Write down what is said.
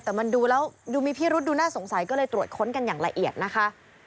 แต่มันดูแล้วดูมีพิรุษดูน่าสงสัยก็เลยตรวจค้นกันอย่างละเอียดนะคะ